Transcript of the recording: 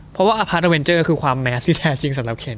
เพราะว่าอพาร์ทเตอร์เวนเจอร์คือความแมสที่แท้จริงสำหรับเคน